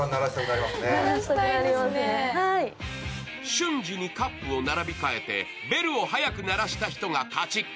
瞬時にカップを並び替えてベルを早く鳴らした人が勝ち。